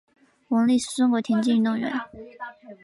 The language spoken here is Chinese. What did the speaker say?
王丽是中国田径运动员。